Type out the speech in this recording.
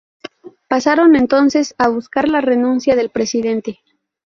Pasaron entonces a buscar la renuncia del presidente.